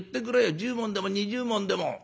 １０文でも２０文でも」。